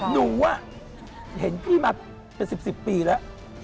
หนูเห็นพี่มาเป็น๑๐ปีแล้ว